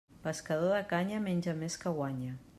Pescador de canya, menja més que guanya.